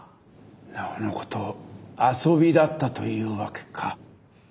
なおのこと遊びだったというわけか。